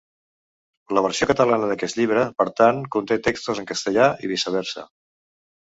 La versió catalana d'aquest llibre, per tant, conté textos en castellà i viceversa.